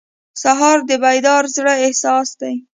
سهار د بیدار زړه احساس دی.